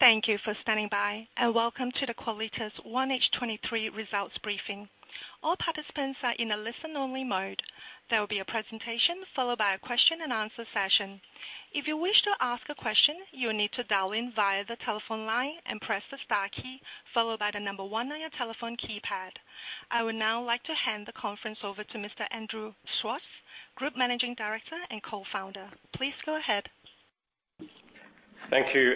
Thank you for standing by, and welcome to the Qualitas 1H23 results briefing. All participants are in a listen-only mode. There will be a presentation, followed by a question-and-answer session. If you wish to ask a question, you will need to dial in via the telephone line and press the star key, followed by the number one on your telephone keypad. I would now like to hand the conference over to Mr. Andrew Schwartz, Group Managing Director and Co-founder. Please go ahead. Thank you.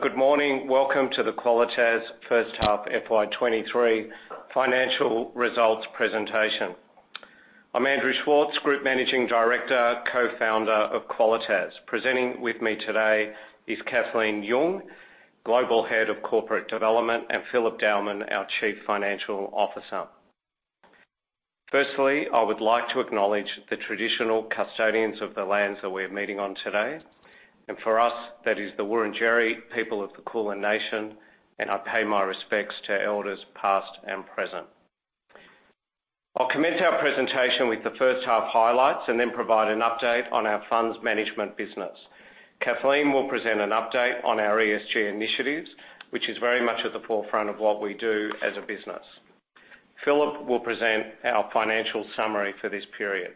Good morning. Welcome to the Qualitas H1 FY23 financial results presentation. I'm Andrew Schwartz, Group Managing Director, Co-founder of Qualitas. Presenting with me today is Kathleen Yeung, Global Head of Corporate Development, and Philip Dowman, our Chief Financial Officer. Firstly, I would like to acknowledge the traditional custodians of the lands that we're meeting on today, and for us, that is the Wurundjeri people of the Kulin nation, and I pay my respects to elders past and present. I'll commence our presentation with the H1 highlights, and then provide an update on our funds management business. Kathleen will present an update on our ESG initiatives, which is very much at the forefront of what we do as a business. Philip will present our financial summary for this period.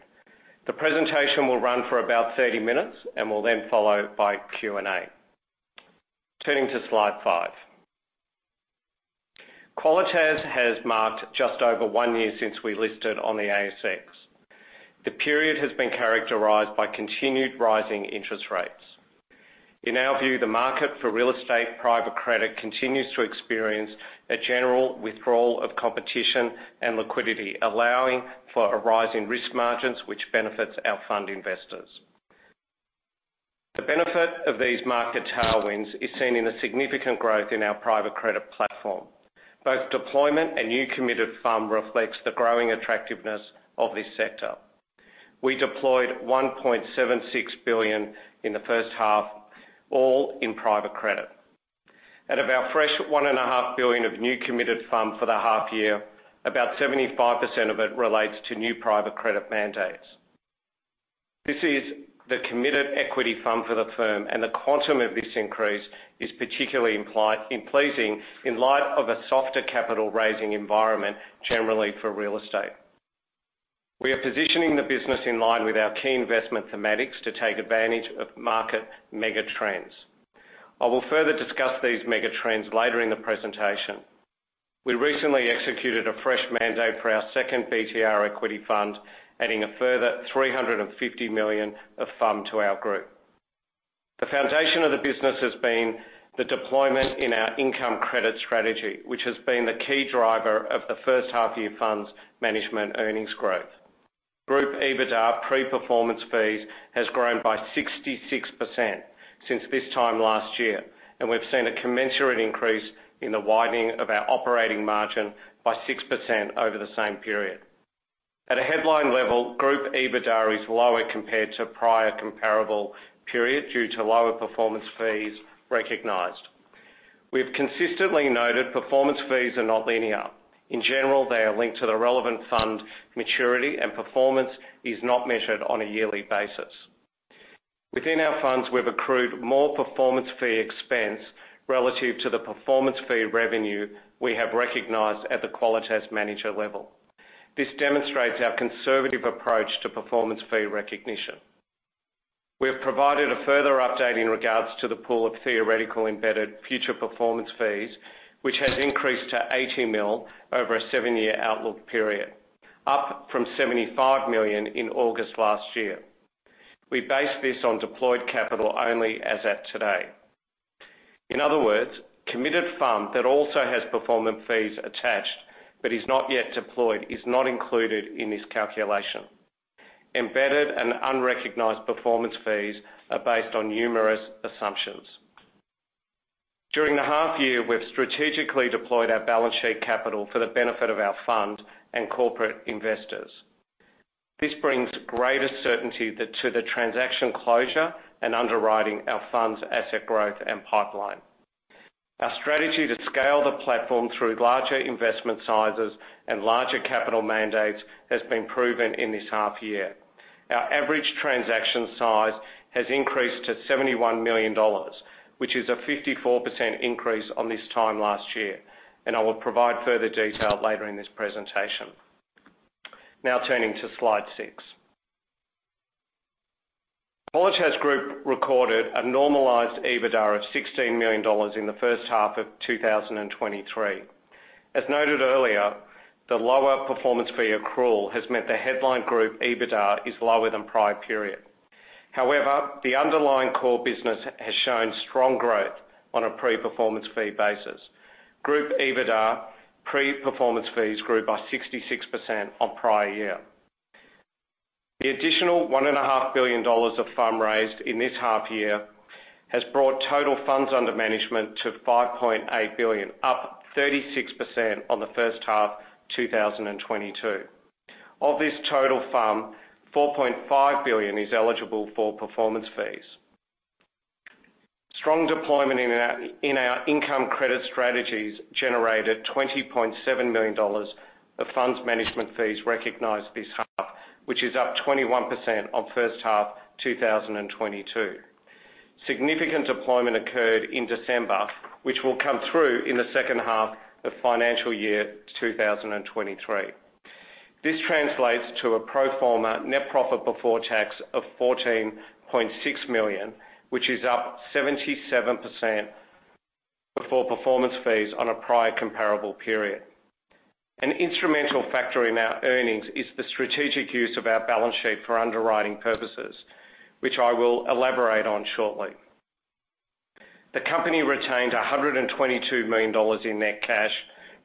The presentation will run for about 30 minutes, and will then follow by Q&A. Turning to Slide 5. Qualitas has marked just over one year since we listed on the ASX. The period has been characterized by continued rising interest rates. In our view, the market for real estate private credit continues to experience a general withdrawal of competition and liquidity, allowing for a rise in risk margins, which benefits our fund investors. The benefit of these market tailwinds is seen in a significant growth in our private credit platform. Both deployment and new committed fund reflects the growing attractiveness of this sector. We deployed 1.76 billion in the H1, all in private credit. At about fresh one and a half billion of new committed fund for the half year, about 75% of it relates to new private credit mandates. This is the committed equity fund for the firm. The quantum of this increase is particularly pleasing in light of a softer capital raising environment generally for real estate. We are positioning the business in line with our key investment thematics to take advantage of market mega trends. I will further discuss these mega trends later in the presentation. We recently executed a fresh mandate for our second BTR equity fund, adding a further 350 million of fund to our group. The foundation of the business has been the deployment in our income credit strategy, which has been the key driver of the H1 year funds management earnings growth. Group EBITDA pre-performance fees has grown by 66% since this time last year, and we've seen a commensurate increase in the widening of our operating margin by 6% over the same period. At a headline level, group EBITDA is lower compared to prior comparable period due to lower performance fees recognized. We've consistently noted performance fees are not linear. In general, they are linked to the relevant fund maturity, and performance is not measured on a yearly basis. Within our funds, we've accrued more performance fee expense relative to the performance fee revenue we have recognized at the Qualitas manager level. This demonstrates our conservative approach to performance fee recognition. We have provided a further update in regards to the pool of theoretical embedded future performance fees, which has increased to 80 million over a seven-year outlook period, up from 75 million in August last year. We base this on deployed capital only as at today. In other words, committed fund that also has performance fees attached but is not yet deployed is not included in this calculation. Embedded and unrecognized performance fees are based on numerous assumptions. During the half year, we've strategically deployed our balance sheet capital for the benefit of our fund and corporate investors. This brings greater certainty to the transaction closure and underwriting our funds asset growth and pipeline. Our strategy to scale the platform through larger investment sizes and larger capital mandates has been proven in this half year. Our average transaction size has increased to 71 million dollars, which is a 54% increase on this time last year. I will provide further detail later in this presentation. Turning to Slide 6. Qualitas Group recorded a normalized EBITDA of 16 million dollars in the H1 of 2023. As noted earlier, the lower performance fee accrual has meant the headline group EBITDA is lower than prior period. The underlying core business has shown strong growth on a pre-performance fee basis. Group EBITDA pre-performance fees grew by 66% on prior year. The additional 1.5 billion dollars of fund raised in this half year has brought total funds under management to 5.8 billion, up 36% on the H1 2022. Of this total fund, 4.5 billion is eligible for performance fees. Strong deployment in our income credit strategies generated 20.7 million dollars of funds management fees recognized this half. Is up 21% on H1 2022. Significant deployment occurred in December, which will come through in the second half of financial year 2023. This translates to a pro forma net profit before tax of 14.6 million, which is up 77% before performance fees on a prior comparable period. An instrumental factor in our earnings is the strategic use of our balance sheet for underwriting purposes, which I will elaborate on shortly. The company retained 122 million dollars in net cash,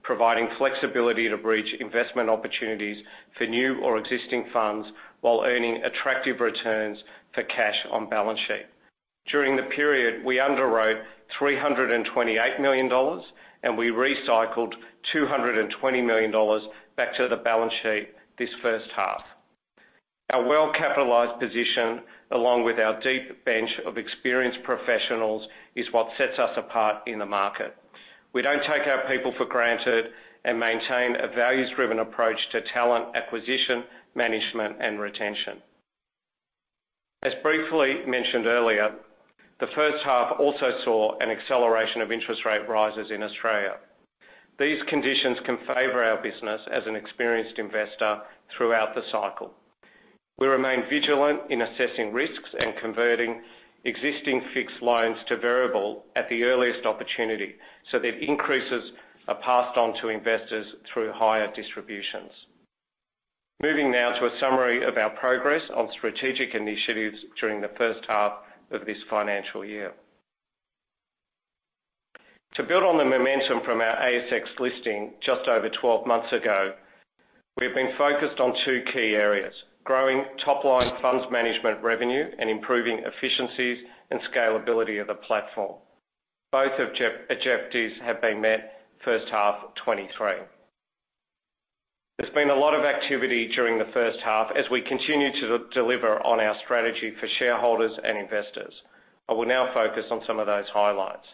providing flexibility to bridge investment opportunities for new or existing funds while earning attractive returns for cash on balance sheet. During the period, we underwrote 328 million dollars, we recycled 220 million dollars back to the balance sheet this H1. Our well-capitalized position, along with our deep bench of experienced professionals, is what sets us apart in the market. We don't take our people for granted and maintain a values-driven approach to talent, acquisition, management, and retention. As briefly mentioned earlier, the H1 also saw an acceleration of interest rate rises in Australia. These conditions can favor our business as an experienced investor throughout the cycle. We remain vigilant in assessing risks and converting existing fixed loans to variable at the earliest opportunity, that increases are passed on to investors through higher distributions. Moving now to a summary of our progress on strategic initiatives during the H1 of this financial year. To build on the momentum from our ASX listing just over 12 months ago, we have been focused on two key areas: growing top-line funds management revenue and improving efficiencies and scalability of the platform. Both objectives have been met H1 2023. There's been a lot of activity during the H1 as we continue to deliver on our strategy for shareholders and investors. I will now focus on some of those highlights.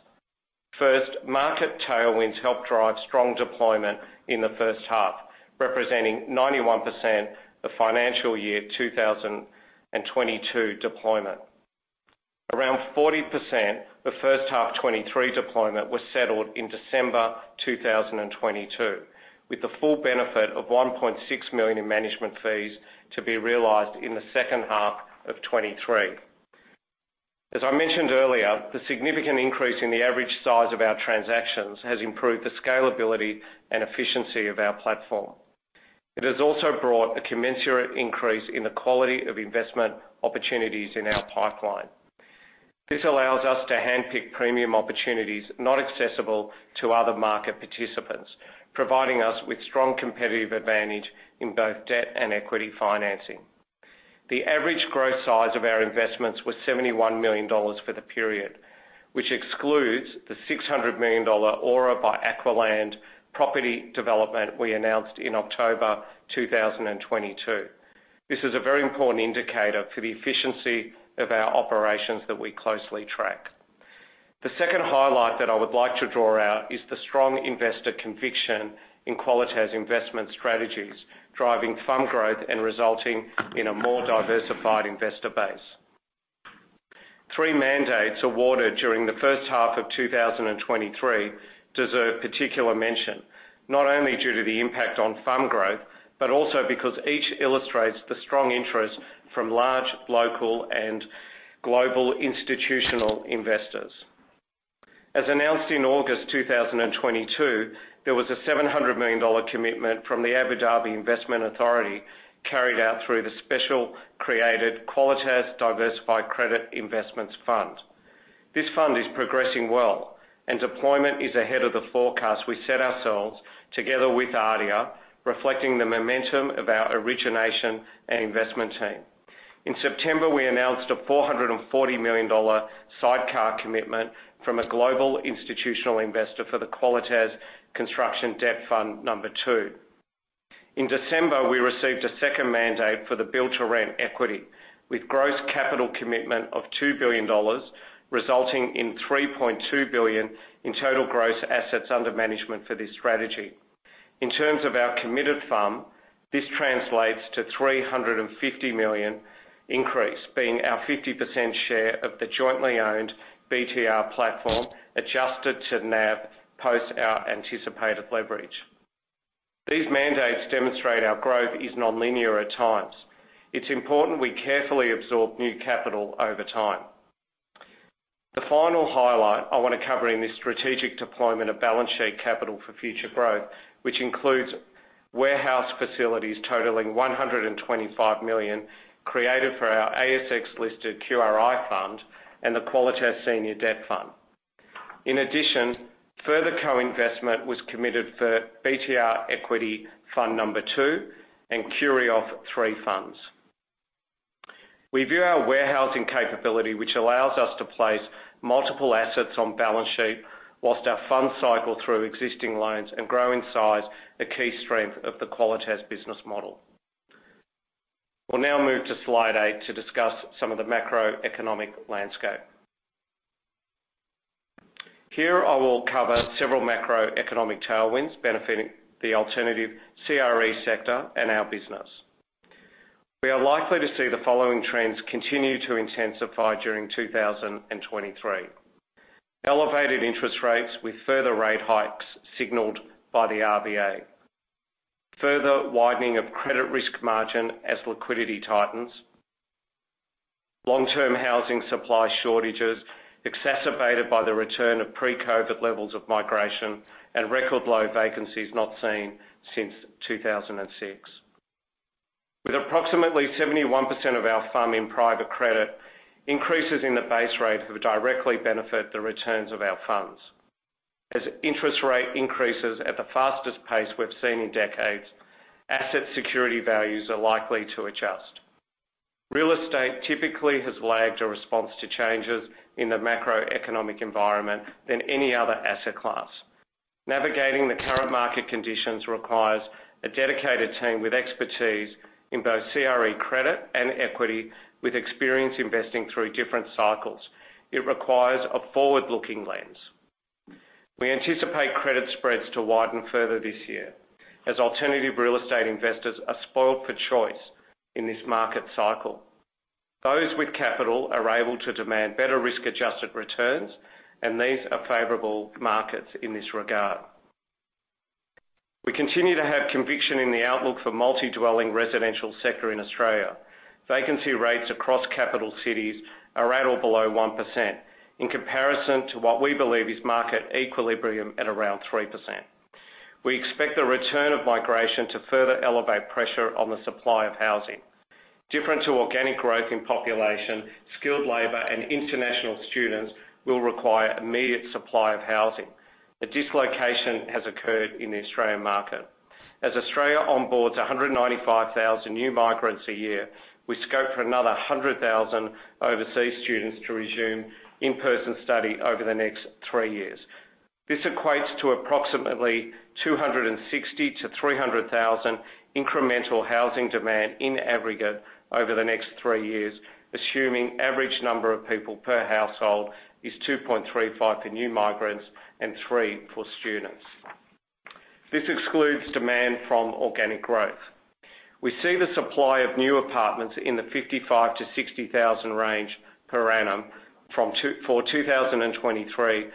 First, market tailwinds help drive strong deployment in the H1, representing 91% of financial year 2022 deployment. Around 40% of H1 2023 deployment was settled in December 2022, with the full benefit of 1.6 million in management fees to be realized in the second half of 2023. As I mentioned earlier, the significant increase in the average size of our transactions has improved the scalability and efficiency of our platform. It has also brought a commensurate increase in the quality of investment opportunities in our pipeline. This allows us to handpick premium opportunities not accessible to other market participants, providing us with strong competitive advantage in both debt and equity financing. The average growth size of our investments was 71 million dollars for the period, which excludes the 600 million dollar AURA by Aqualand property development we announced in October 2022. This is a very important indicator for the efficiency of our operations that we closely track. The second highlight that I would like to draw out is the strong investor conviction in Qualitas investment strategies, driving fund growth and resulting in a more diversified investor base. Three mandates awarded during the H1 of 2023 deserve particular mention, not only due to the impact on fund growth, but also because each illustrates the strong interest from large, local, and global institutional investors. As announced in August 2022, there was a 700 million dollar commitment from the Abu Dhabi Investment Authority carried out through the special created Qualitas Diversified Credit Investments fund. This fund is progressing well, and deployment is ahead of the forecast we set ourselves together with ADIA, reflecting the momentum of our origination and investment team. In September, we announced a 440 million dollar sidecar commitment from a global institutional investor for the Qualitas Construction Debt Fund II. In December, we received a second mandate for the build-to-rent equity, with gross capital commitment of 2 billion dollars, resulting in 3.2 billion in total gross assets under management for this strategy. In terms of our committed fund, this translates to 350 million increase, being our 50% share of the jointly owned BTR platform, adjusted to NAV post our anticipated leverage. These mandates demonstrate our growth is nonlinear at times. It's important we carefully absorb new capital over time. The final highlight I want to cover in this strategic deployment of balance sheet capital for future growth, which includes warehouse facilities totaling 125 million created for our ASX-listed QRI fund and the Qualitas Senior Debt Fund. Further co-investment was committed for BTR Equity Fund 2 and QURIOF 3 funds. We view our warehousing capability, which allows us to place multiple assets on balance sheet while our funds cycle through existing loans and grow in size, a key strength of the Qualitas business model. We'll now move to Slide 8 to discuss some of the macroeconomic landscape. Here I will cover several macroeconomic tailwinds benefiting the alternative CRE sector and our business. We are likely to see the following trends continue to intensify during 2023. Elevated interest rates with further rate hikes signaled by the RBA. Further widening of credit risk margin as liquidity tightens. Long-term housing supply shortages exacerbated by the return of pre-COVID levels of migration, and record low vacancies not seen since 2006. With approximately 71% of our fund in private credit, increases in the base rate will directly benefit the returns of our funds. As interest rate increases at the fastest pace we've seen in decades, asset security values are likely to adjust. Real estate typically has lagged a response to changes in the macroeconomic environment than any other asset class. Navigating the current market conditions requires a dedicated team with expertise in both CRE credit and equity with experience investing through different cycles. It requires a forward-looking lens. We anticipate credit spreads to widen further this year as alternative real estate investors are spoiled for choice in this market cycle. Those with capital are able to demand better risk-adjusted returns, and these are favorable markets in this regard. We continue to have conviction in the outlook for multi-dwelling residential sector in Australia. Vacancy rates across capital cities are at or below 1% in comparison to what we believe is market equilibrium at around 3%. We expect the return of migration to further elevate pressure on the supply of housing. Different to organic growth in population, skilled labor and international students will require immediate supply of housing. A dislocation has occurred in the Australian market. Australia onboards 195,000 new migrants a year, we scope for another 100,000 overseas students to resume in-person study over the next three years. This equates to approximately 260,000-300,000 incremental housing demand in aggregate over the next three years, assuming average number of people per household is 2.35 for new migrants and three for students. This excludes demand from organic growth. We see the supply of new apartments in the 55,000-60,000 range per annum for 2022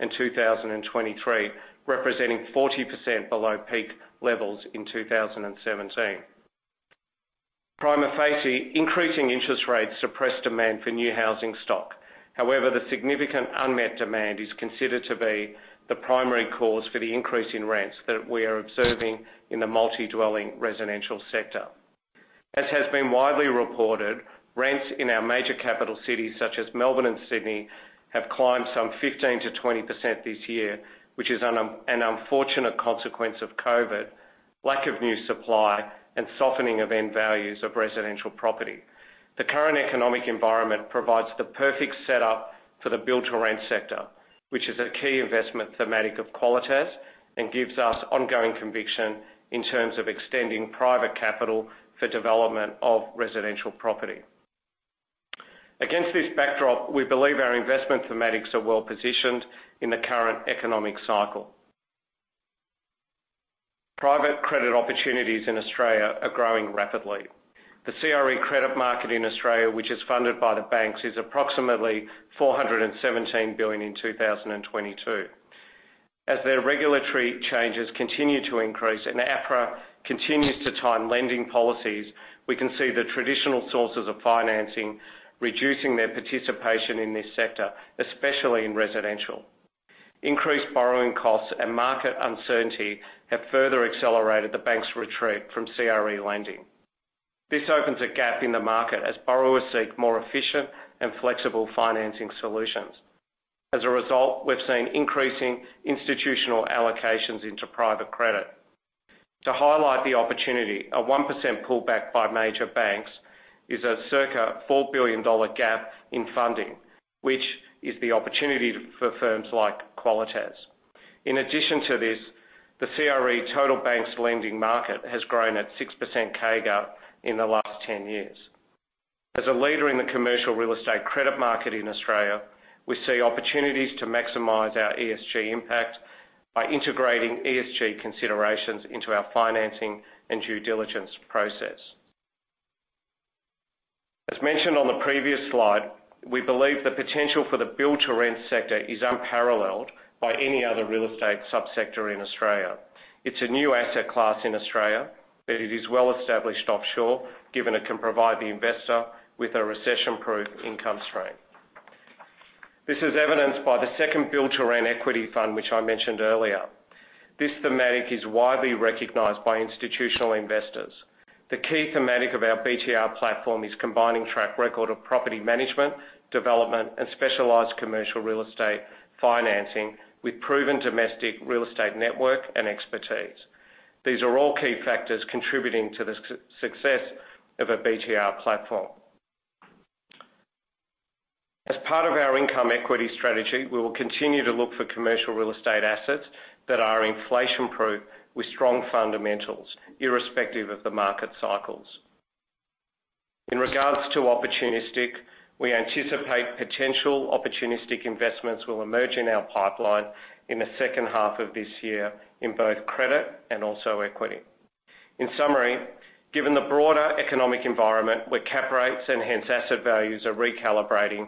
and 2023, representing 40% below peak levels in 2017. Prima facie, increasing interest rates suppress demand for new housing stock. The significant unmet demand is considered to be the primary cause for the increase in rents that we are observing in the multi-dwelling residential sector. As has been widely reported, rents in our major capital cities, such as Melbourne and Sydney, have climbed some 15%-20% this year, which is an unfortunate consequence of COVID, lack of new supply, and softening of end values of residential property. The current economic environment provides the perfect setup for the build-to-rent sector, which is a key investment thematic of Qualitas, and gives us ongoing conviction in terms of extending private capital for development of residential property. Against this backdrop, we believe our investment thematics are well-positioned in the current economic cycle. Private credit opportunities in Australia are growing rapidly. The CRE credit market in Australia, which is funded by the banks, is approximately 417 billion in 2022. Their regulatory changes continue to increase and APRA continues to tighten lending policies, we can see the traditional sources of financing reducing their participation in this sector, especially in residential. Increased borrowing costs and market uncertainty have further accelerated the bank's retreat from CRE lending. This opens a gap in the market as borrowers seek more efficient and flexible financing solutions. We've seen increasing institutional allocations into private credit. To highlight the opportunity, a 1% pullback by major banks is a circa 4 billion dollar gap in funding, which is the opportunity for firms like Qualitas. The CRE total banks lending market has grown at 6% CAGR in the last 10 years. As a leader in the commercial real estate credit market in Australia, we see opportunities to maximize our ESG impact by integrating ESG considerations into our financing and due diligence process. As mentioned on the previous slide, we believe the potential for the build-to-rent sector is unparalleled by any other real estate sub-sector in Australia. It's a new asset class in Australia, but it is well established offshore, given it can provide the investor with a recession-proof income stream. This is evidenced by the second Build-to-Rent Equity Fund, which I mentioned earlier. This thematic is widely recognized by institutional investors. The key thematic of our BTR platform is combining track record of property management, development, and specialized commercial real estate financing with proven domestic real estate network and expertise. These are all key factors contributing to the success of a BTR platform. As part of our income equity strategy, we will continue to look for commercial real estate assets that are inflation-proof with strong fundamentals, irrespective of the market cycles. In regards to opportunistic, we anticipate potential opportunistic investments will emerge in our pipeline in the second half of this year in both credit and also equity. Given the broader economic environment where cap rates and hence asset values are recalibrating,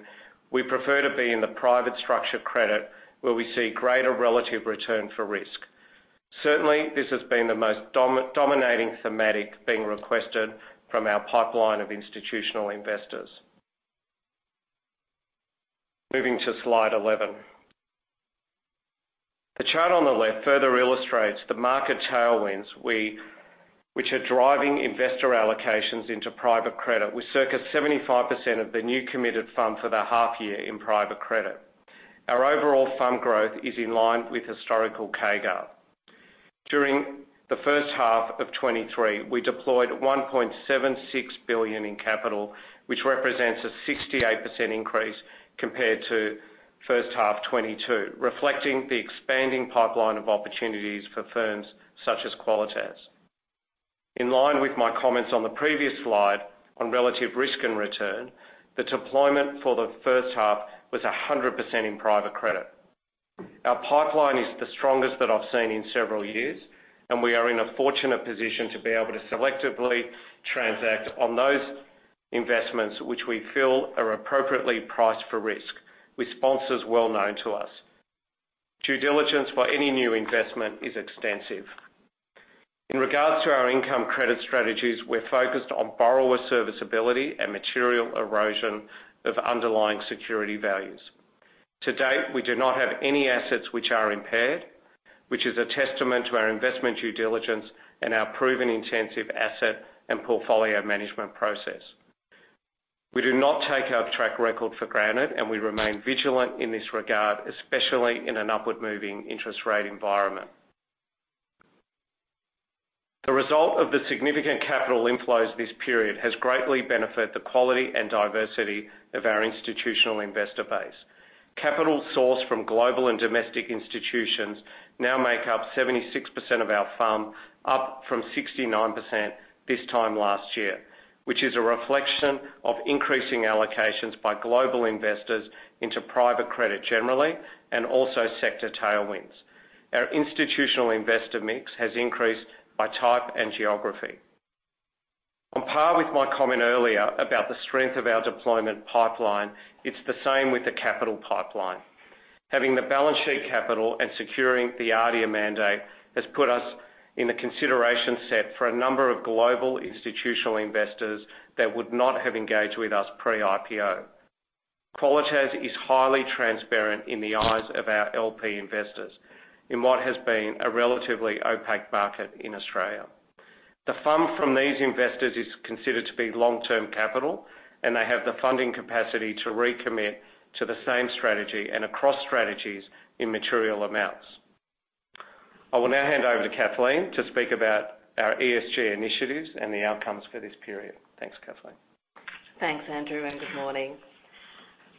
we prefer to be in the private structure credit, where we see greater relative return for risk. Certainly, this has been the most dominating thematic being requested from our pipeline of institutional investors. Moving to Slide 11. The chart on the left further illustrates the market tailwinds which are driving investor allocations into private credit, with circa 75% of the new committed fund for the half year in private credit. Our overall fund growth is in line with historical CAGR. During the H1 of 2023, we deployed 1.76 billion in capital, which represents a 68% increase compared to H1 2022, reflecting the expanding pipeline of opportunities for firms such as Qualitas. In line with my comments on the previous slide on relative risk and return, the deployment for the H1 was 100% in private credit. Our pipeline is the strongest that I've seen in several years. We are in a fortunate position to be able to selectively transact on those investments which we feel are appropriately priced for risk, with sponsors well-known to us. Due diligence for any new investment is extensive. In regards to our income credit strategies, we're focused on borrower serviceability and material erosion of underlying security values. To date, we do not have any assets which are impaired, which is a testament to our investment due diligence and our proven intensive asset and portfolio management process. We do not take our track record for granted, and we remain vigilant in this regard, especially in an upward moving interest rate environment. The result of the significant capital inflows this period has greatly benefit the quality and diversity of our institutional investor base. Capital sourced from global and domestic institutions now make up 76% of our firm, up from 69% this time last year, which is a reflection of increasing allocations by global investors into private credit generally, and also sector tailwinds. Our institutional investor mix has increased by type and geography. On par with my comment earlier about the strength of our deployment pipeline, it's the same with the capital pipeline. Having the balance sheet capital and securing the ADIA mandate has put us in the consideration set for a number of global institutional investors that would not have engaged with us pre-IPO. Qualitas is highly transparent in the eyes of our LP investors in what has been a relatively opaque market in Australia. The fund from these investors is considered to be long-term capital, and they have the funding capacity to recommit to the same strategy and across strategies in material amounts. I will now hand over to Kathleen to speak about our ESG initiatives and the outcomes for this period. Thanks, Kathleen. Thanks, Andrew, and Good morning.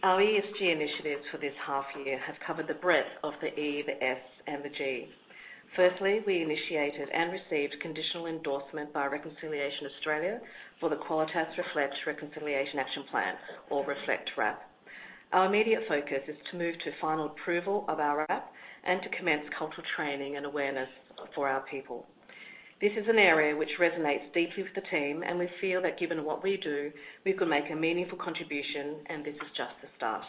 Our ESG initiatives for this half year have covered the breadth of the E, the S and the G. Firstly, we initiated and received conditional endorsement by Reconciliation Australia for the Qualitas Reflect Reconciliation Action Plan, or Reflect RAP. Our immediate focus is to move to final approval of our RAP and to commence cultural training and awareness for our people. This is an area which resonates deeply with the team, and we feel that given what we do, we can make a meaningful contribution, and this is just the start.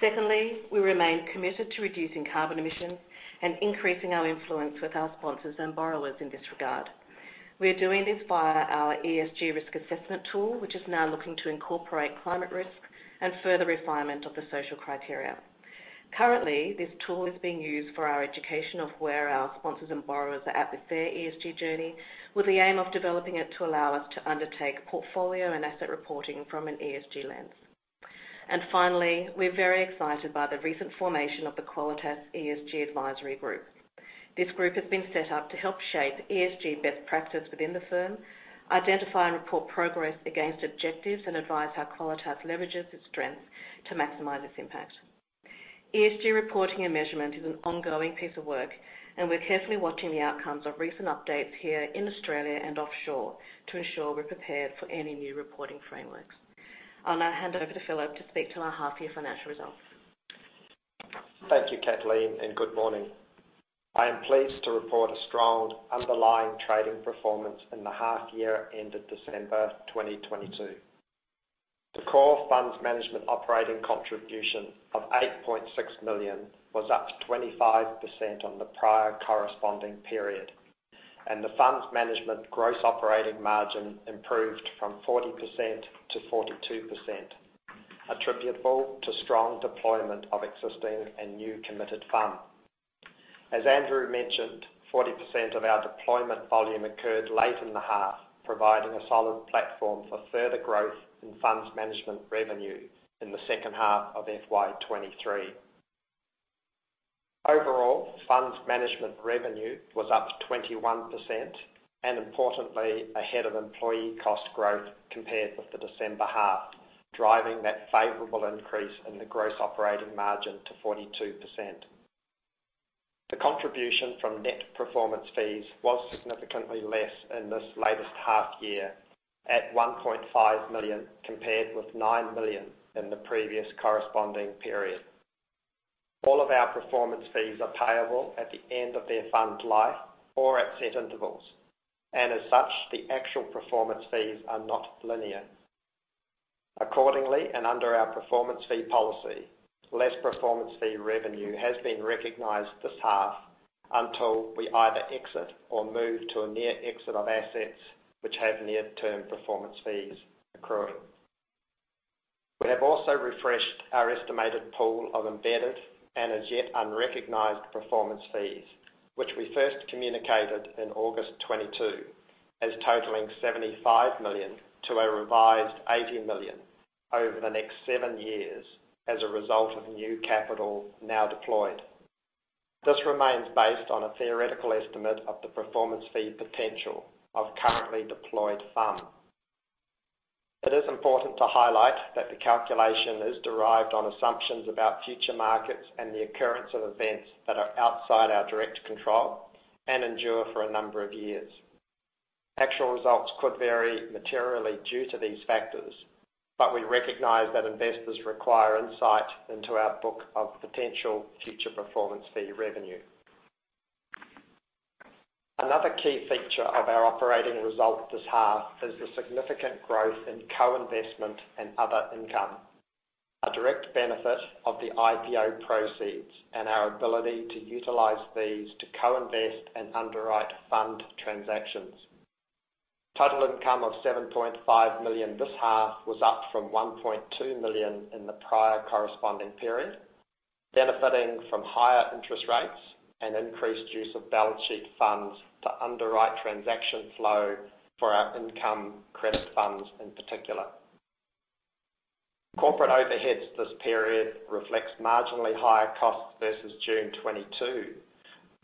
Secondly, we remain committed to reducing carbon emissions and increasing our influence with our sponsors and borrowers in this regard. We are doing this via our ESG risk assessment tool, which is now looking to incorporate climate risk and further refinement of the social criteria. Currently, this tool is being used for our education of where our sponsors and borrowers are at with their ESG journey, with the aim of developing it to allow us to undertake portfolio and asset reporting from an ESG lens. Finally, we're very excited by the recent formation of the Qualitas ESG Advisory Group. This group has been set up to help shape ESG best practice within the firm, identify and report progress against objectives, and advise how Qualitas leverages its strengths to maximize its impact. ESG reporting and measurement is an ongoing piece of work. We're carefully watching the outcomes of recent updates here in Australia and offshore to ensure we're prepared for any new reporting frameworks. I'll now hand over to Philip to speak to our half year financial results. Thank you, Kathleen, and Good morning. I am pleased to report a strong underlying trading performance in the half year ended December 2022. The core funds management operating contribution of 8.6 million was up 25% on the prior corresponding period, and the funds management gross operating margin improved from 40% to 42%, attributable to strong deployment of existing and new committed fund. As Andrew mentioned, 40% of our deployment volume occurred late in the half, providing a solid platform for further growth in funds management revenue in the second half of FY23. Overall, funds management revenue was up 21%. Importantly, ahead of employee cost growth compared with the December half, driving that favorable increase in the gross operating margin to 42%. The contribution from net performance fees was significantly less in this latest half year at 1.5 million compared with 9 million in the previous corresponding period. All of our performance fees are payable at the end of their fund life or at set intervals. As such, the actual performance fees are not linear. Accordingly, under our performance fee policy, less performance fee revenue has been recognized this half until we either exit or move to a near exit of assets which have near-term performance fees accruing. We have also refreshed our estimated pool of embedded and as yet unrecognized performance fees, which we first communicated in August 2022 as totaling 75 million to a revised 80 million over the next seven years as a result of new capital now deployed. This remains based on a theoretical estimate of the performance fee potential of currently deployed funds. It is important to highlight that the calculation is derived on assumptions about future markets and the occurrence of events that are outside our direct control and endure for a number of years. Actual results could vary materially due to these factors. We recognize that investors require insight into our book of potential future performance fee revenue. Another key feature of our operating results this half is the significant growth in co-investment and other income, a direct benefit of the IPO proceeds and our ability to utilize these to co-invest and underwrite fund transactions. Total income of 7.5 million this half was up from 1.2 million in the prior corresponding period, benefiting from higher interest rates and increased use of balance sheet funds to underwrite transaction flow for our income credit funds, in particular. Corporate overheads this period reflects marginally higher costs versus June 2022,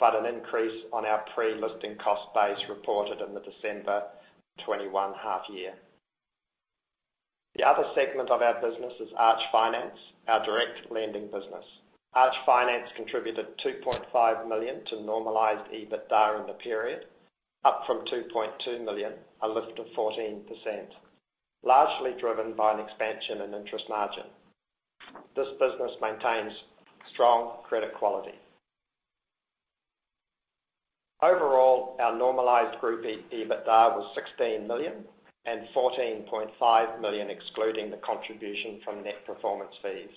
but an increase on our pre-listing cost base reported in the December 2021 half year. The other segment of our business is Arch Finance, our direct lending business. Arch Finance contributed 2.5 million to normalized EBITDA in the period, up from 2.2 million, a lift of 14%, largely driven by an expansion in interest margin. This business maintains strong credit quality. Overall, our normalized group EBITDA was 16 million and 14.5 million, excluding the contribution from net performance fees.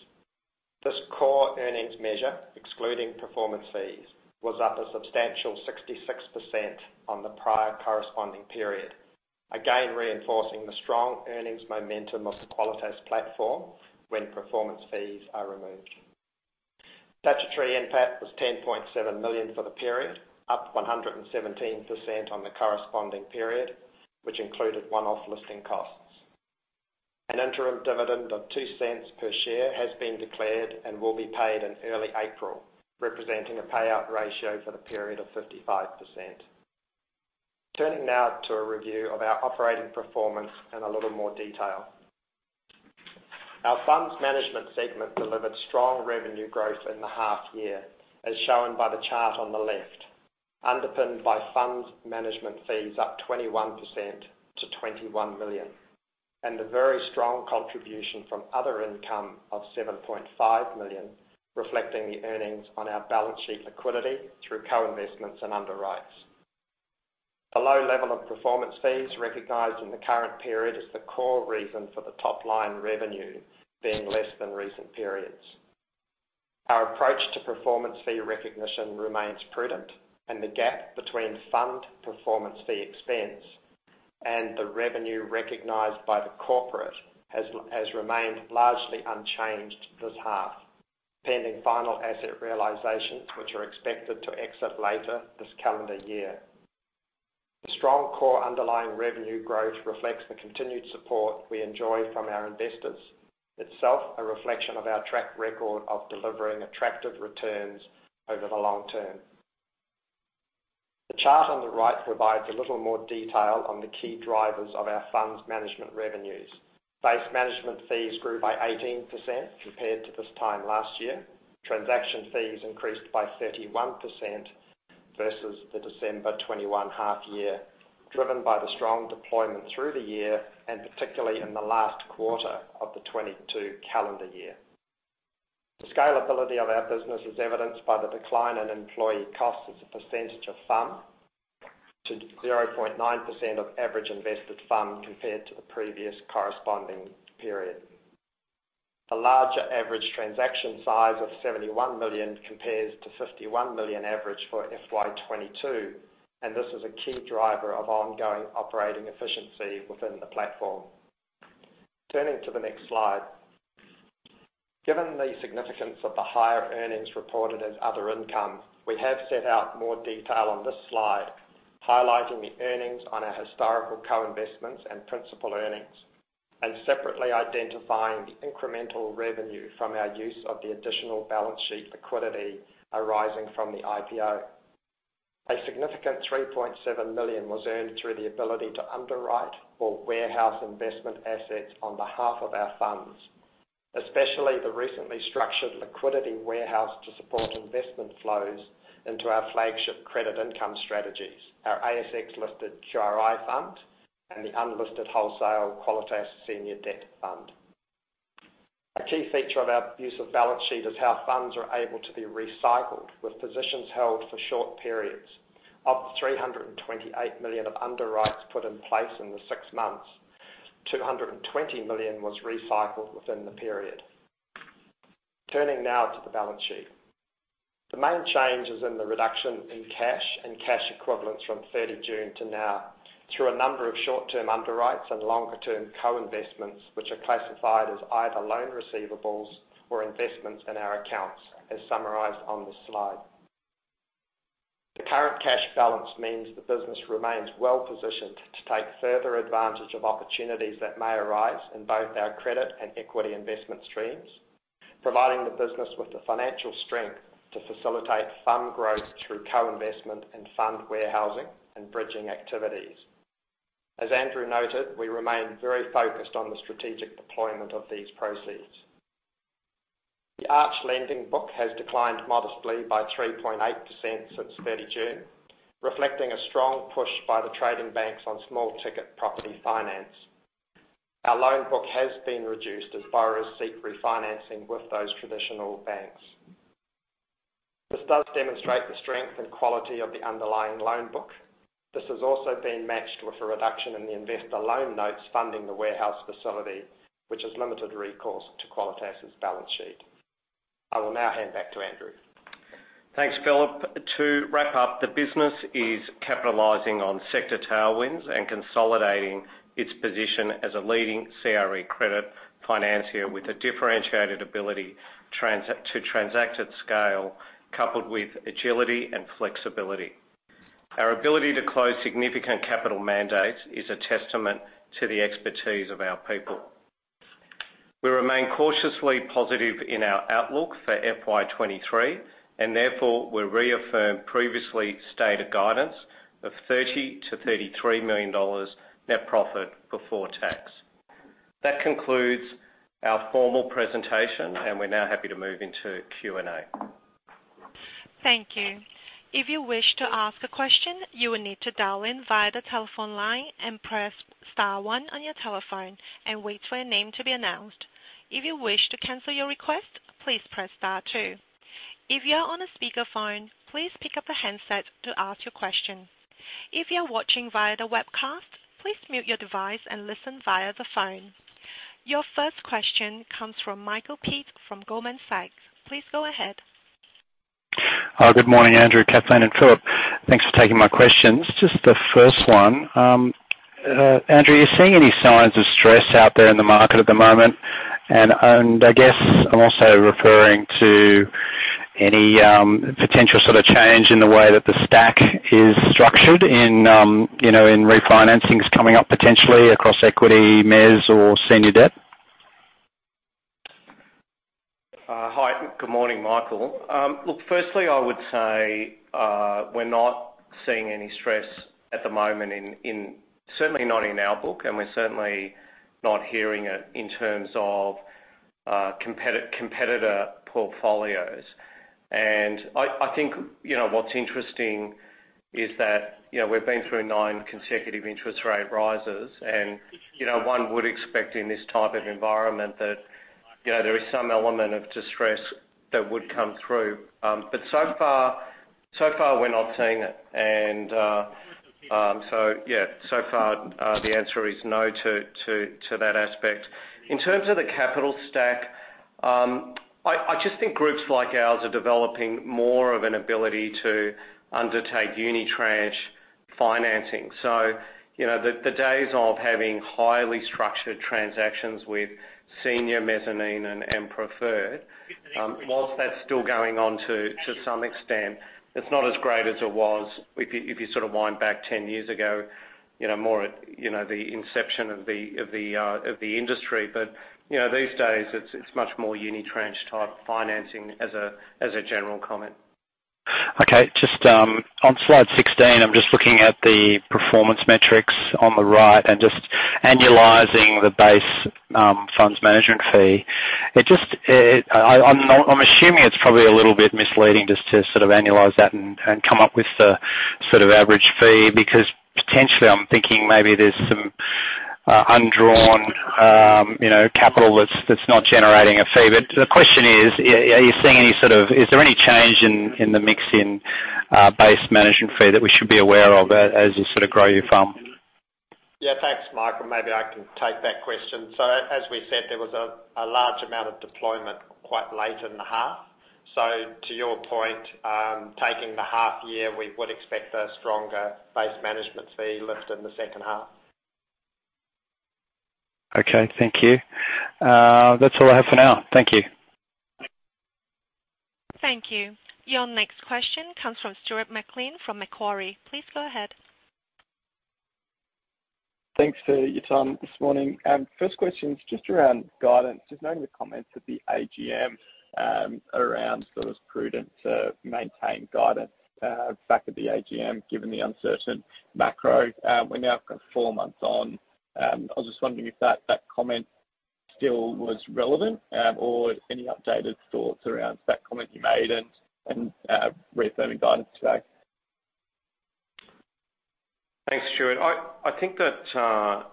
This core earnings measure, excluding performance fees, was up a substantial 66% on the prior corresponding period, again reinforcing the strong earnings momentum of the Qualitas platform when performance fees are removed. Statutory NPAT was 10.7 million for the period, up 117% on the corresponding period, which included one-off listing costs. An interim dividend of 0.02 per share has been declared and will be paid in early April, representing a payout ratio for the period of 55%. Turning now to a review of our operating performance in a little more detail. Our funds management segment delivered strong revenue growth in the half year, as shown by the chart on the left, underpinned by funds management fees up 21% to 21 million, and a very strong contribution from other income of 7.5 million, reflecting the earnings on our balance sheet liquidity through co-investments and underwrites. A low level of performance fees recognized in the current period is the core reason for the top line revenue being less than recent periods. Our approach to performance fee recognition remains prudent, and the gap between fund performance fee expense and the revenue recognized by the corporate has remained largely unchanged this half, pending final asset realizations, which are expected to exit later this calendar year. The strong core underlying revenue growth reflects the continued support we enjoy from our investors, itself a reflection of our track record of delivering attractive returns over the long term. The chart on the right provides a little more detail on the key drivers of our funds management revenues. Base management fees grew by 18% compared to this time last year. Transaction fees increased by 31% versus the December 2021 half year, driven by the strong deployment through the year, and particularly in the last quarter of the 2022 calendar year. The scalability of our business is evidenced by the decline in employee costs as a percentage of fund to 0.9% of average invested fund compared to the previous corresponding period. A larger average transaction size of 71 million compares to 51 million average for FY22. This is a key driver of ongoing operating efficiency within the platform. Turning to the next slide. Given the significance of the higher earnings reported as other income, we have set out more detail on this slide, highlighting the earnings on our historical co-investments and principal earnings, and separately identifying the incremental revenue from our use of the additional balance sheet liquidity arising from the IPO. A significant 3.7 million was earned through the ability to underwrite or warehouse investment assets on behalf of our funds, especially the recently structured liquidity warehouse to support investment flows into our flagship credit income strategies, our ASX-listed QRI fund and the unlisted wholesale Qualitas Senior Debt Fund. A key feature of our use of balance sheet is how funds are able to be recycled, with positions held for short periods. Of the 328 million of underwrites put in place in the six months, 220 million was recycled within the period. Turning now to the balance sheet. The main change is in the reduction in cash and cash equivalents from 30 June to now through a number of short-term underwrites and longer-term co-investments, which are classified as either loan receivables or investments in our accounts, as summarized on this slide. The current cash balance means the business remains well-positioned to take further advantage of opportunities that may arise in both our credit and equity investment streams, providing the business with the financial strength to facilitate fund growth through co-investment and fund warehousing and bridging activities. As Andrew noted, we remain very focused on the strategic deployment of these proceeds. The Arch lending book has declined modestly by 3.8% since June 30, reflecting a strong push by the trading banks on small ticket property finance. Our loan book has been reduced as borrowers seek refinancing with those traditional banks. This does demonstrate the strength and quality of the underlying loan book. This has also been matched with a reduction in the investor loan notes funding the warehouse facility, which has limited recourse to Qualitas's balance sheet. I will now hand back to Andrew. Thanks, Philip. To wrap up, the business is capitalizing on sector tailwinds and consolidating its position as a leading CRE credit financier, with a differentiated ability to transact at scale, coupled with agility and flexibility. Our ability to close significant capital mandates is a testament to the expertise of our people. We remain cautiously positive in our outlook for FY23, therefore we reaffirm previously stated guidance of 30 million-33 million dollars net profit before tax. That concludes our formal presentation, we're now happy to move into Q&A. Thank you. If you wish to ask a question, you will need to dial in via the telephone line and press star one on your telephone and wait for your name to be announced. If you wish to cancel your request, please press star two. If you are on a speakerphone, please pick up the handset to ask your question. If you are watching via the webcast, please mute your device and listen via the phone. Your first question comes from Michael Peet from Goldman Sachs. Please go ahead. Good morning, Andrew, Kathleen, and Philip. Thanks for taking my questions. Just the first one. Andrew, are you seeing any signs of stress out there in the market at the moment? I guess I'm also referring to any, potential sort of change in the way that the stack is structured in, you know, in refinancings coming up potentially across equity mezz or senior debt? Hi, Good morning, Michael. Look, firstly, I would say, we're not seeing any stress at the moment in, certainly not in our book, and we're certainly not hearing it in terms of, competitor portfolios. I think, you know, what's interesting is that, you know, we've been through nine consecutive interest rate rises, and you know, one would expect in this type of environment that, you know, there is some element of distress that would come through. So far, we're not seeing it. So yeah, so far, the answer is no to that aspect. In terms of the capital stack, I just think groups like ours are developing more of an ability to undertake unitranche financing. You know, the days of having highly structured transactions with senior mezzanine and preferred, whilst that's still going on to some extent, it's not as great as it was if you, if you sort of wind back 10 years ago, you know, more at, you know, the inception of the, of the industry. You know, these days it's much more unitranche type financing as a, as a general comment. Okay. Just on Slide 16, I'm just looking at the performance metrics on the right and just annualizing the base funds management fee. I'm assuming it's probably a little bit misleading just to sort of annualize that and come up with the sort of average fee, because potentially I'm thinking maybe there's some undrawn, you know, capital that's not generating a fee. The question is, are you seeing any sort of is there any change in the mix in base management fee that we should be aware of as you sort of grow your firm? Yeah. Thanks, Michael. Maybe I can take that question. As we said, there was a large amount of deployment quite late in the half. To your point, taking the half year, we would expect a stronger base management fee lift in the second half. Okay. Thank you. That's all I have for now. Thank you. Thank you. Your next question comes from Stuart McQueen from Macquarie. Please go ahead. Thanks for your time this morning. First question is just around guidance. Just noting the comments at the AGM, around, sort of prudent to maintain guidance, back at the AGM, given the uncertain macro. We're now four months on, I was just wondering if that comment still was relevant, or any updated thoughts around that comment you made and reaffirming guidance today. Thanks, Stuart. I think that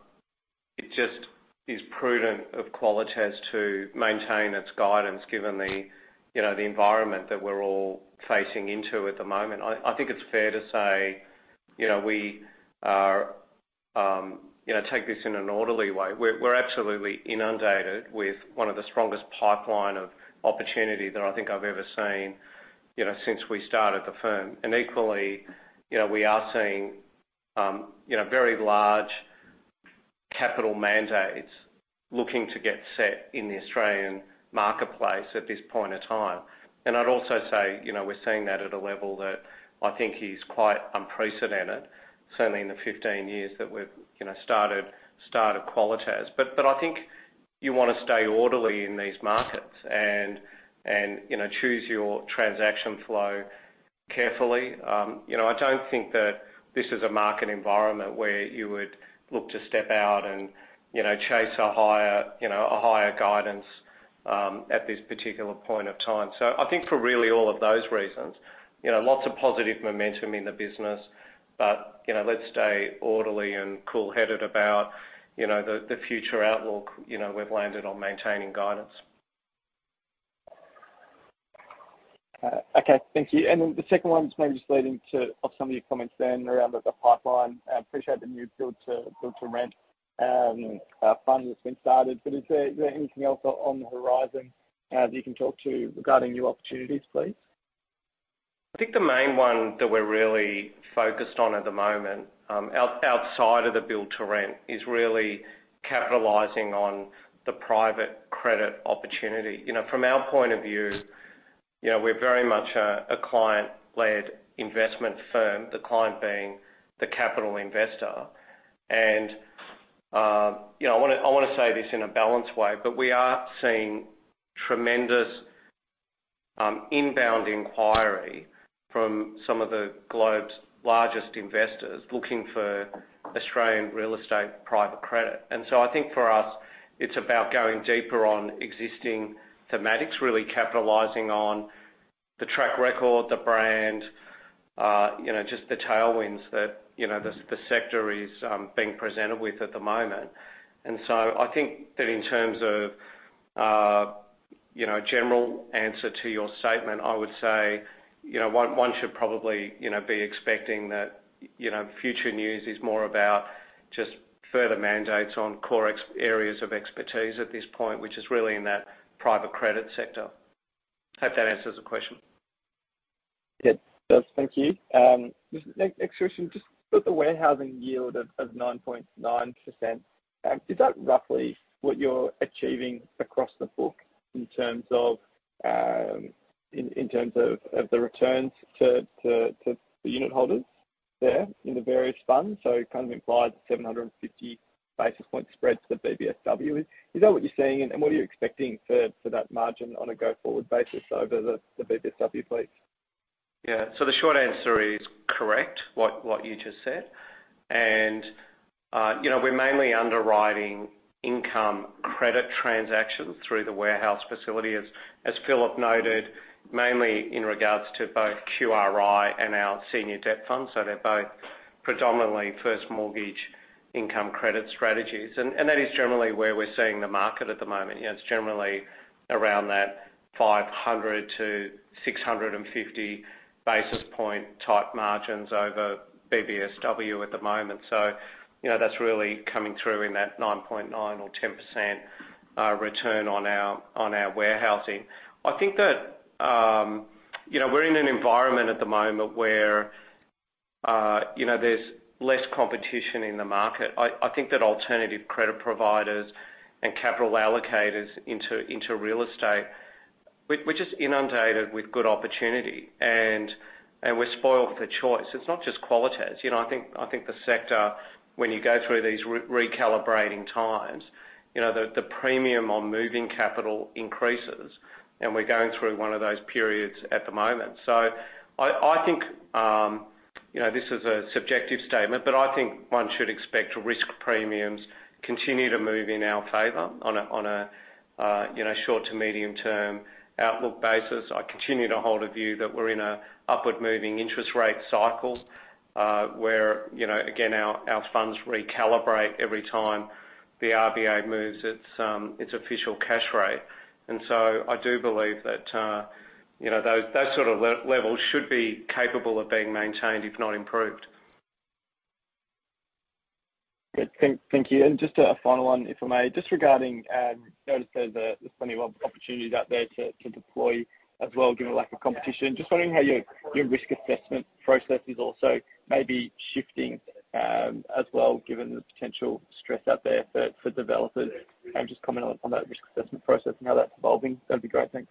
it just is prudent of Qualitas to maintain its guidance, given the, you know, the environment that we're all facing into at the moment. I think it's fair to say, you know, we are, you know, take this in an orderly way. We're absolutely inundated with one of the strongest pipeline of opportunity that I think I've ever seen, you know, since we started the firm. Equally, you know, we are seeing, you know, very large capital mandates looking to get set in the Australian marketplace at this point in time. I'd also say, you know, we're seeing that at a level that I think is quite unprecedented, certainly in the 15 years that we've, you know, started Qualitas. I think you wanna stay orderly in these markets and, you know, choose your transaction flow carefully. You know, I don't think that this is a market environment where you would look to step out and, you know, chase a higher guidance at this particular point of time. I think for really all of those reasons, you know, lots of positive momentum in the business, but, you know, let's stay orderly and cool-headed about, you know, the future outlook, you know, we've landed on maintaining guidance. Okay. Thank you. The second one is maybe just leading off some of your comments then around the pipeline. I appreciate the new build-to-rent fund that's been started. Is there anything else on the horizon that you can talk to regarding new opportunities, please? I think the main one that we're really focused on at the moment, outside of the build-to-rent, is really capitalizing on the private credit opportunity. You know, from our point of view, you know, we're very much a client-led investment firm, the client being the capital investor. I wanna say this in a balanced way, but we are seeing tremendous inbound inquiry from some of the globe's largest investors looking for Australian real estate private credit. I think for us, it's about going deeper on existing thematics, really capitalizing on the track record, the brand, you know, just the tailwinds that, you know, the sector is being presented with at the moment. I think that in terms of, you know, general answer to your statement, I would say, you know, one should probably, you know, be expecting that, you know, future news is more about just further mandates on core areas of expertise at this point, which is really in that private credit sector. Hope that answers the question. It does. Thank you. next question, just with the warehousing yield of 9.9%, is that roughly what you're achieving across the book in terms of the returns to the unit holders there in the various funds? It kind of implies 750 basis point spread to the BBSW. Is that what you're seeing? What are you expecting for that margin on a go-forward basis over the BBSW, please? Yeah. The short answer is, correct, what you just said. You know, we're mainly underwriting income credit transactions through the warehouse facility, as Philip noted, mainly in regards to both QRI and our senior debt fund. They're both predominantly first mortgage income credit strategies. That is generally where we're seeing the market at the moment. You know, it's generally around that 500 to 650 basis point type margins over BBSW at the moment. You know, that's really coming through in that 9.9 or 10% return on our, on our warehousing. I think that, you know, we're in an environment at the moment where, you know, there's less competition in the market. I think that alternative credit providers and capital allocators into real estate, we're just inundated with good opportunity and we're spoiled for choice. It's not just Qualitas. You know, I think the sector, when you go through these recalibrating times, you know, the premium on moving capital increases, we're going through one of those periods at the moment. I think, you know, this is a subjective statement, but I think one should expect risk premiums continue to move in our favor on a, you know, short to medium term outlook basis. I continue to hold a view that we're in a upward moving interest rate cycle, where, you know, again, our funds recalibrate every time the RBA moves its official cash rate. I do believe that, you know, those sort of levels should be capable of being maintained, if not improved. Great. Thank you. Just a final one, if I may. Just regarding, you noticed there's plenty of opportunities out there to deploy as well, given the lack of competition. Just wondering how your risk assessment process is also maybe shifting as well, given the potential stress out there for developers. Just comment on that risk assessment process and how that's evolving. That'd be great. Thanks.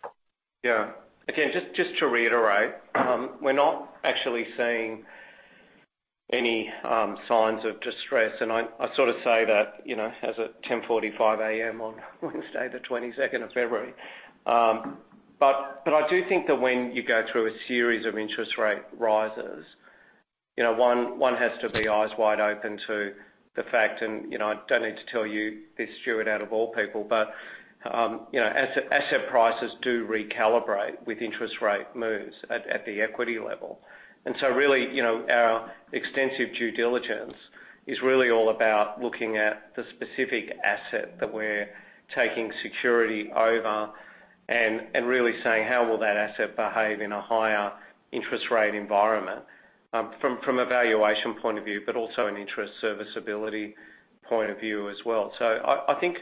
Yeah. Again, just to reiterate, we're not actually seeing any signs of distress, and I sort of say that, you know, as of 10:45 A.M. on Wednesday the 22nd of February. I do think that when you go through a series of interest rate rises, you know, one has to be eyes wide open to the fact and, you know, I don't need to tell you this, Stuart, out of all people. You know, asset prices do recalibrate with interest rate moves at the equity level. Really, you know, our extensive due diligence is really all about looking at the specific asset that we're taking security over and really saying how will that asset behave in a higher interest rate environment, from a valuation point of view, but also an interest serviceability point of view as well. I think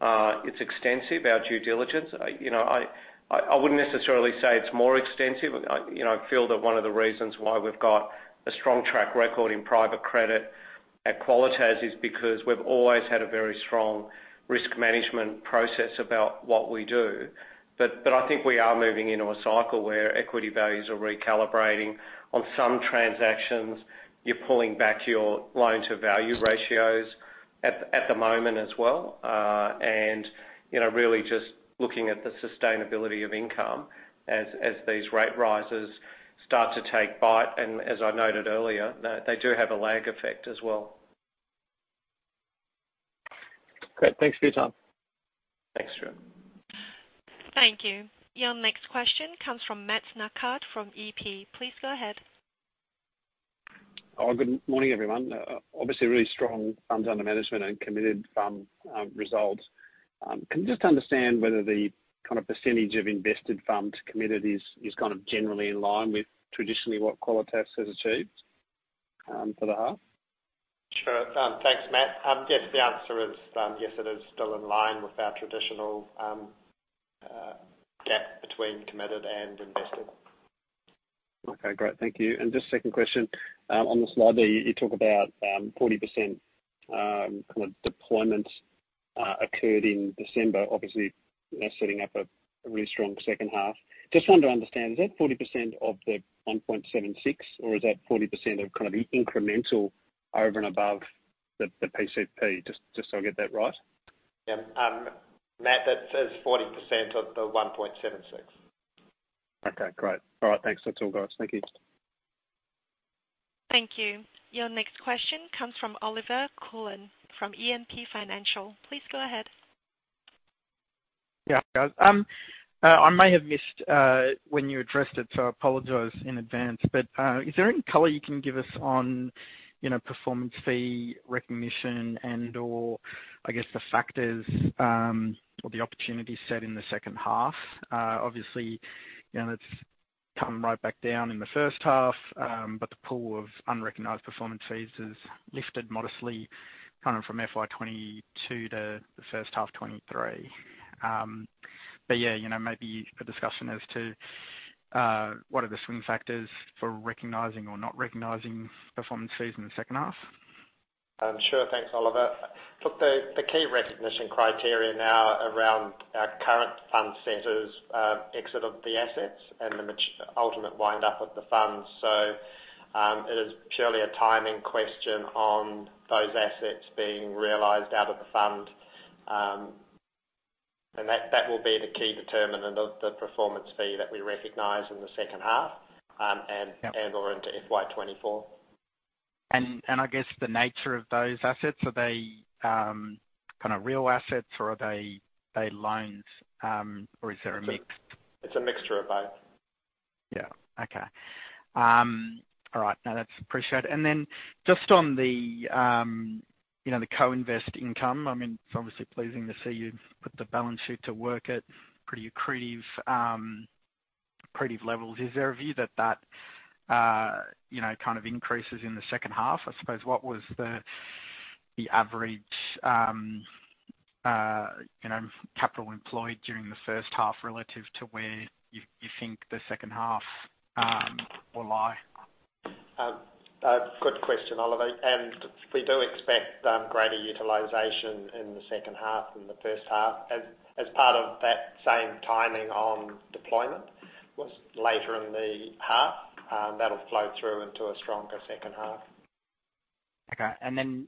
it's extensive, our due diligence. You know, I wouldn't necessarily say it's more extensive. I, you know, feel that one of the reasons why we've got a strong track record in private credit at Qualitas is because we've always had a very strong risk management process about what we do. I think we are moving into a cycle where equity values are recalibrating. On some transactions, you're pulling back your loan to value ratios at the moment as well. You know, really just looking at the sustainability of income as these rate rises start to take bite, and as I noted earlier, they do have a lag effect as well. Great. Thanks for your time. Thanks, Stuart. T hank you. Your next question comes from Matt Nacard from E&P. Please go ahead. Good morning, everyone. Obviously really strong funds under management and committed fund results. Can you just understand whether the kind of % of invested funds committed is kind of generally in line with traditionally what Qualitas has achieved for the half? Sure. Thanks, Matt. Yes, the answer is, yes, it is still in line with our traditional gap between committed and invested. Okay, great. Thank you. Just second question. On the slide there, you talk about, 40%, kind of deployments, occurred in December, obviously, you know, setting up a really strong second half. Just wanted to understand, is that 40% of the 1.76, or is that 40% of kind of the incremental over and above the PCP? Just so I get that right. Yeah. Matt, that is 40% of the 1.76. Okay, great. All right. Thanks. That's all, guys. Thank you. Thank you. Your next question comes from Oliver Cullen from JMP Financial. Please go ahead. Yeah, guys. I may have missed when you addressed it, so I apologize in advance. Is there any color you can give us on, you know, performance fee recognition and/or I guess the factors or the opportunity set in the second half? Obviously, you know, it's come right back down in the H1, but the pool of unrecognized performance fees has lifted modestly kind of from FY22 to the H123. Yeah, you know, maybe a discussion as to what are the swing factors for recognizing or not recognizing performance fees in the second half. Sure. Thanks, Oliver. Look, the key recognition criteria now around our current fund centers, exit of the assets and the ultimate wind up of the fund. It is purely a timing question on those assets being realized out of the fund. That will be the key determinant of the performance fee that we recognize in the second half. Yeah. Into FY24. And I guess the nature of those assets, are they kind of real assets or are they loans? Or is there a mix? It's a mixture of both. Yeah. Okay. All right. No, that's appreciated. Then just on the, you know, the co-invest income, I mean, it's obviously pleasing to see you've put the balance sheet to work at pretty accretive levels. Is there a view that, you know, kind of increases in the second half? I suppose, what was the average, you know, capital employed during the H1 relative to where you think the second half, will lie? Good question, Oliver. We do expect greater utilization in the second half than the H1 as part of that same timing on deployment was later in the half, that'll flow through into a stronger second half. Okay.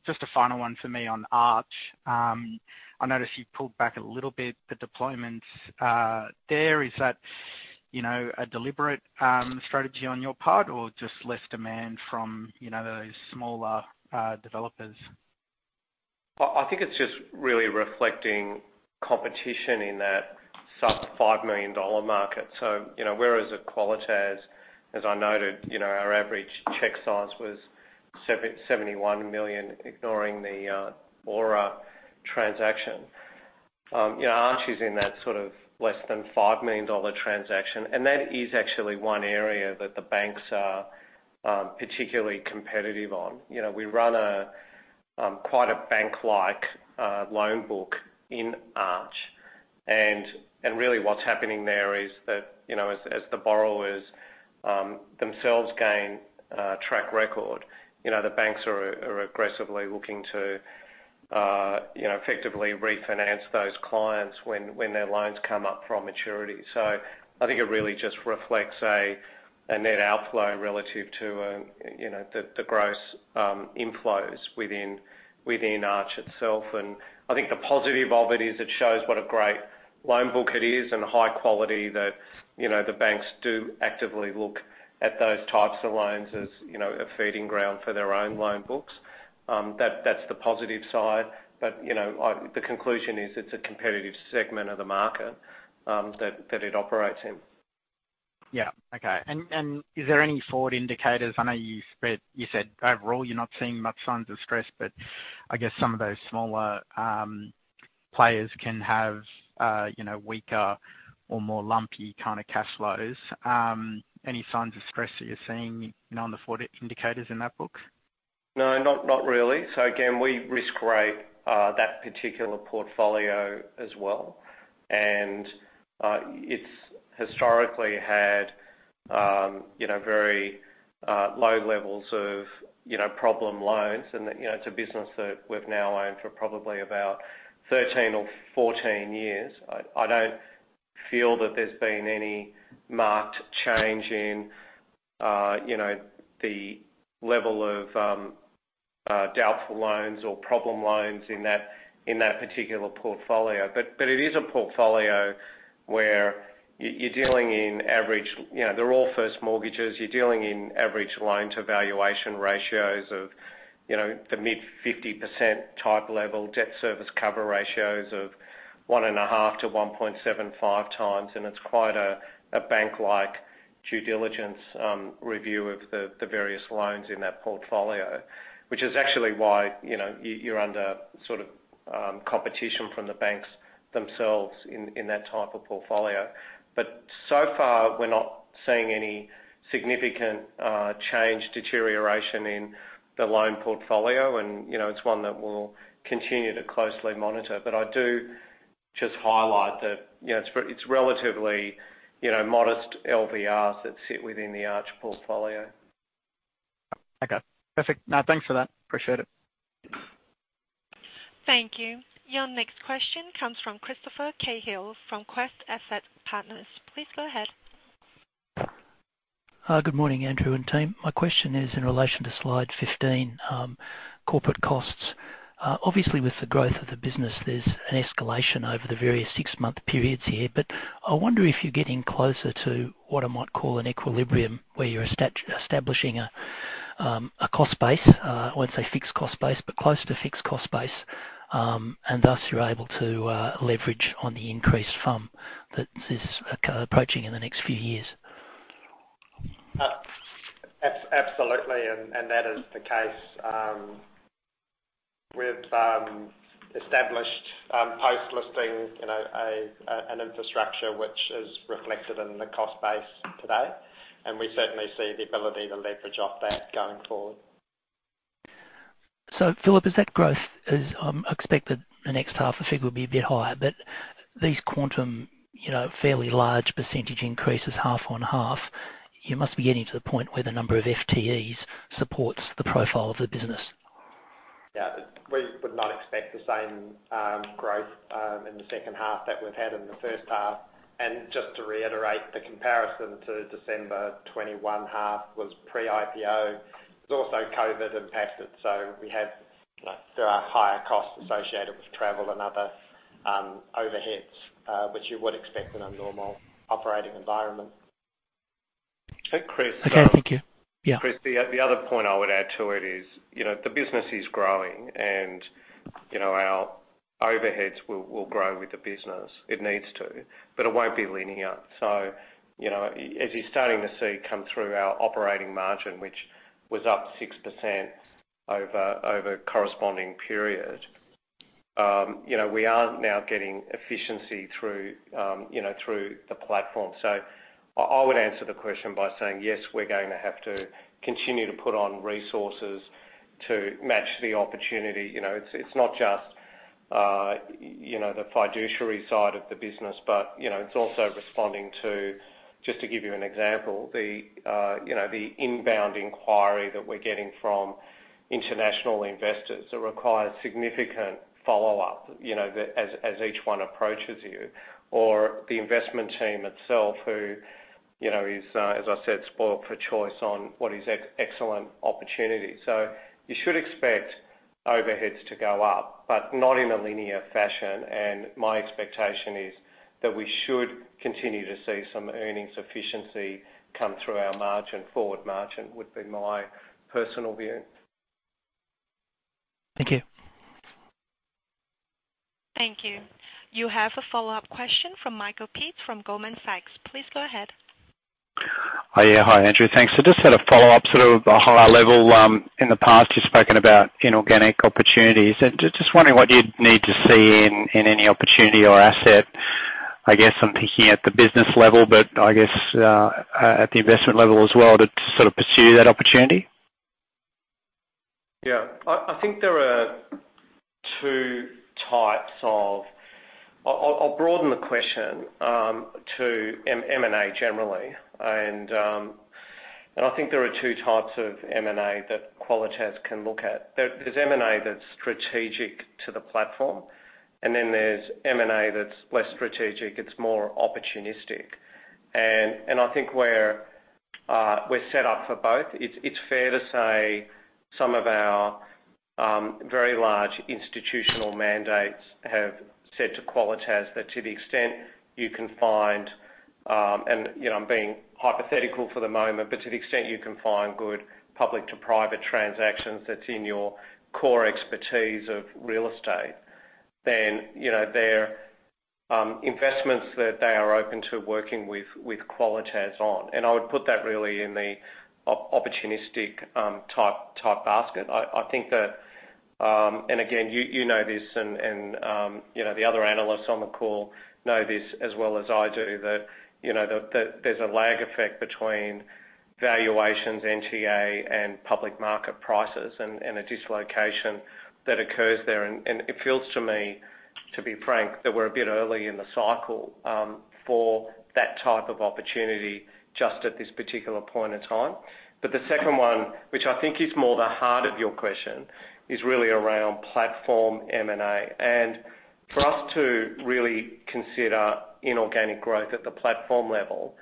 Just a final one for me on Arch. I notice you pulled back a little bit the deployments there, is that, you know, a deliberate strategy on your part or just less demand from, you know, those smaller developers? I think it's just really reflecting competition in that sub 5 million dollar market. You know, whereas at Qualitas, as I noted, you know, our average check size was 71 million, ignoring the Aura transaction. You know, Arch is in that sort of less than 5 million dollar transaction, and that is actually one area that the banks are particularly competitive on. You know, we run a quite a bank-like loan book in Arch. Really what's happening there is that, you know, as the borrowers themselves gain track record, you know, the banks are aggressively looking to, you know, effectively refinance those clients when their loans come up for maturity. I think it really just reflects a net outflow relative to, you know, the gross inflows within Arch itself. I think the positive of it is it shows what a great loan book it is and the high quality that, you know, the banks do actively look at those types of loans as, you know, a feeding ground for their own loan books. That's the positive side. You know, the conclusion is it's a competitive segment of the market, that it operates in. Yeah. Okay. Is there any forward indicators? I know you said overall, you're not seeing much signs of stress, but I guess some of those smaller players can have, you know, weaker or more lumpy kind of cash flows. Any signs of stress that you're seeing on the forward indicators in that book? No, not really. Again, we risk rate that particular portfolio as well. It's historically had, you know, very low levels of, you know, problem loans. It's a business that we've now owned for probably about 13 or 14 years. I don't feel that there's been any marked change in, you know, the level of doubtful loans or problem loans in that particular portfolio. But it is a portfolio where you're dealing in average, you know, they're all first mortgages. You're dealing in average loan-to-valuation ratios of, you know, the mid 50% type level, debt service cover ratios of 1.5x-1.75x, it's quite a bank-like due diligence review of the various loans in that portfolio, which is actually why, you know, you're under sort of competition from the banks themselves in that type of portfolio. So far, we're not seeing any significant change deterioration in the loan portfolio and, you know, it's one that we'll continue to closely monitor. I do just highlight that, you know, it's relatively, you know, modest LVRs that sit within the Arch portfolio. Okay, perfect. No, thanks for that. Appreciate it. Thank you. Your next question comes from Chris Cahill from Quest Asset Partners. Please go ahead. Hi. Good morning, Andrew and team. My question is in relation to Slide 15, corporate costs. Obviously with the growth of the business, there's an escalation over the various six-month periods here, but I wonder if you're getting closer to what I might call an equilibrium, where you're establishing a cost base, I won't say fixed cost base, but close to fixed cost base, and thus you're able to leverage on the increased FUM that is approaching in the next few years. Absolutely, and that is the case. We've established post-listing, you know, an infrastructure which is reflected in the cost base today, and we certainly see the ability to leverage off that going forward. Philip, is that growth, as I expect that the next half, I figure, will be a bit higher, but these quantum, you know, fairly large percentage increases half on half, you must be getting to the point where the number of FTEs supports the profile of the business? Yeah. We would not expect the same growth in the second half that we've had in the H1. Just to reiterate the comparison to December 2021 half was pre-IPO. There's also COVID impacted, so we have, you know, there are higher costs associated with travel and other overheads, which you would expect in a normal operating environment. Okay, thank you. Yeah. Chris, the other point I would add to it is, you know, the business is growing and, you know, our overheads will grow with the business. It needs to, but it won't be linear. You know, as you're starting to see come through our operating margin, which was up 6% over corresponding period, you know, we are now getting efficiency through, you know, through the platform. I would answer the question by saying, yes, we're going to have to continue to put on resources to match the opportunity. You know, it's not just, you know, the fiduciary side of the business, but, you know, it's also responding to, just to give you an example, the, you know, the inbound inquiry that we're getting from international investors that require significant follow-up, you know, as each one approaches you, or the investment team itself who, you know, is, as I said, spoiled for choice on what is excellent opportunity. You should expect overheads to go up, but not in a linear fashion. My expectation is that we should continue to see some earnings efficiency come through our margin, forward margin, would be my personal view. Thank you. Thank you. You have a follow-up question from Michael Peet from Goldman Sachs. Please go ahead. Yeah. Hi, Andrew. Thanks. Just sort of follow up, sort of a high level. In the past, you've spoken about inorganic opportunities. Just wondering what you'd need to see in any opportunity or asset, I guess I'm thinking at the business level, but I guess, at the investment level as well to sort of pursue that opportunity? Yeah. I think I'll broaden the question to M&A generally. I think there are two types of M&A that Qualitas can look at. There's M&A that's strategic to the platform, and then there's M&A that's less strategic, it's more opportunistic. I think we're set up for both. It's fair to say some of our very large institutional mandates have said to Qualitas that to the extent you can find, and, you know, I'm being hypothetical for the moment, but to the extent you can find good public to private transactions that's in your core expertise of real estate. you know, there investments that they are open to working with Qualitas on. I would put that really in the opportunistic type basket. I think that, and again, you know this and, you know, the other analysts on the call know this as well as I do that, you know, that there's a lag effect between valuations, NTA, and public market prices and, a dislocation that occurs there. It feels to me, to be frank, that we're a bit early in the cycle, for that type of opportunity just at this particular point in time. The second one, which I think is more the heart of your question, is really around platform M&A. For us to really consider inorganic growth at the platform level,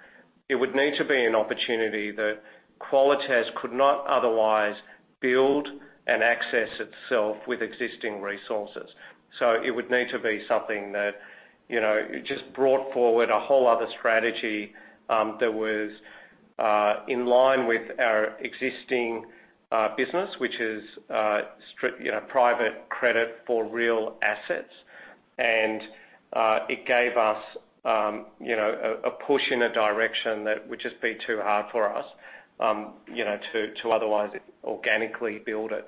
it would need to be an opportunity that Qualitas could not otherwise build and access itself with existing resources. It would need to be something that, you know, it just brought forward a whole other strategy, that was in line with our existing business, which is strict, you know, private credit for real assets. It gave us, you know, a push in a direction that would just be too hard for us, you know, to otherwise organically build it.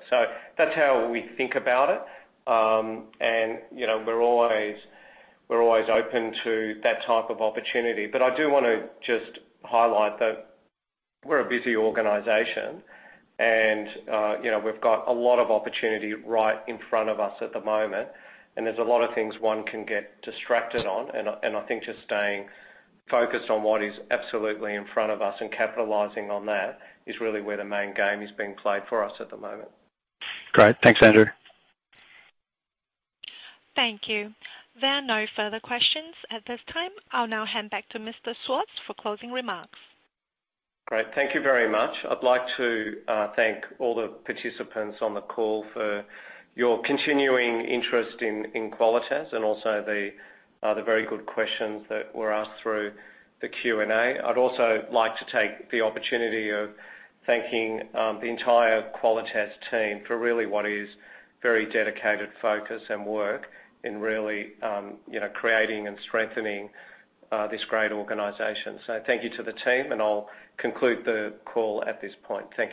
That's how we think about it. You know, we're always, we're always open to that type of opportunity. I do wanna just highlight that we're a busy organization, and, you know, we've got a lot of opportunity right in front of us at the moment, and there's a lot of things one can get distracted on. I think just staying focused on what is absolutely in front of us and capitalizing on that is really where the main game is being played for us at the moment. Great. Thanks, Andrew. Thank you. There are no further questions at this time. I'll now hand back to Mr. Schwartz for closing remarks. Great. Thank you very much. I'd like to thank all the participants on the call for your continuing interest in Qualitas and also the very good questions that were asked through the Q&A. I'd also like to take the opportunity of thanking the entire Qualitas team for really what is very dedicated focus and work in really, you know, creating and strengthening this great organization. Thank you to the team, and I'll conclude the call at this point. Thank you.